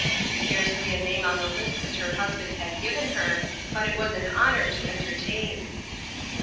Scarcely a name on the list which her husband had given her, but it was an honor to entertain.